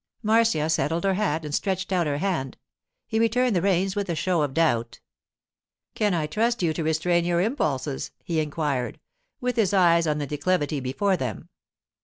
Marcia settled her hat and stretched out her hand. He returned the reins with a show of doubt. 'Can I trust you to restrain your impulses?' he inquired, with his eyes on the declivity before them.